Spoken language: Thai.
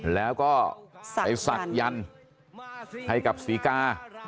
แล้วก็ไปสักยันต์ให้กับสีกา